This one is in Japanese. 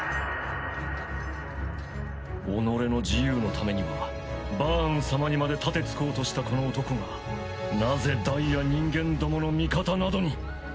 己の自由のためにはバーン様にまで盾つこうとしたこの男がなぜダイや人間どもの味方などに！